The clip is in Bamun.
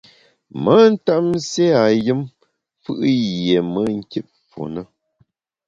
Me ntap nségha yùm fù’ yié me nkit fu ne.